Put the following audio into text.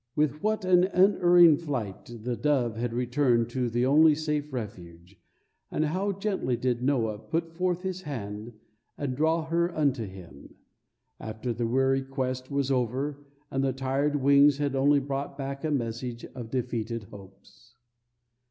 With what an unerring flight the dove had returned to the only safe refuge, and how gently did Noah "put forth his hand" and "draw her in unto him," after the weary quest was over and the tired wings had only brought back a message of defeated hopes.